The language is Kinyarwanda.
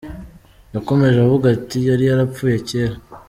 Yakomeje avuga ati yari yarapfuye kera !